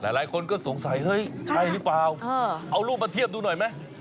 หลายคนสงสัยเอาลูกมาเทียบดูหน่อยไหม